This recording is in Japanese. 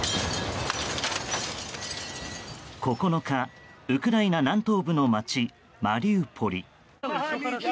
９日、ウクライナ南東部の街マリウポリ。